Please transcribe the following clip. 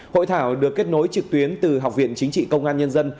hội thảo được kết nối trực tuyến từ học viện chính trị công an nhân dân